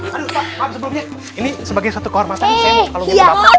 pak maaf sebelumnya ini sebagai satu kohormatan saya mau kalungin bapak